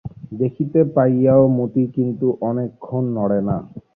দেখিতে পাইয়াও মতি কিন্তু অনেকক্ষণ নড়ে না।